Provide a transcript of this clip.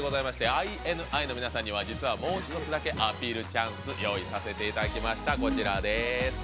ＩＮＩの皆さんには実はもう一つだけアピールチャンス用意させていただきました。